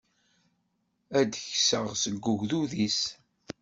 Ad t-kkseɣ seg ugdud-is.